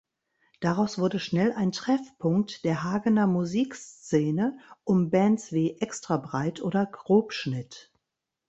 Daraus wurde schnell ein Treffpunkt der Hagener Musikszene um Bands wie Extrabreit oder Grobschnitt.